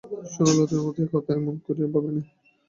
সুচরিতা ললিতার মতো এ কথা এমন করিয়া ভাবেই নাই।